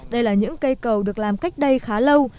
đây là những cây cầu được làm cách đây khá lâu